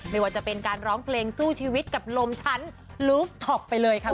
ไม่ว่าจะเป็นการร้องเพลงสู้ชีวิตกับลมชั้นลูฟท็อกไปเลยค่ะ